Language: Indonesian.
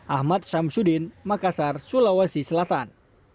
ahmad syamsuddin makassar sulawesi selatan